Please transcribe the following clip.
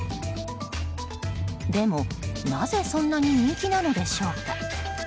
でも、なぜそんなに人気なのでしょうか。